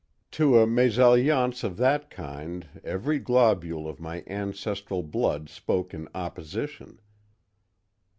To a mésalliance of that kind every globule of my ancestral blood spoke in opposition.